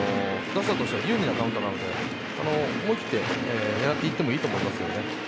打者としては有利なカウントなので思い切って狙っていってもいいと思いますけどね。